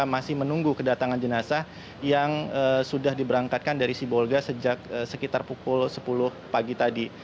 masih menunggu kedatangan jenazah yang sudah diberangkatkan dari sibolga sejak sekitar pukul sepuluh pagi tadi